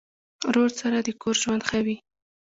ورور سره د کور ژوند ښه وي.